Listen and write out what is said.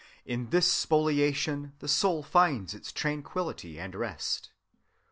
"In this spoliation, the soul finds its tranquillity and rest.